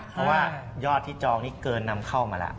เพราะว่ายอดที่จองนี่เกินนำเข้ามาแล้ว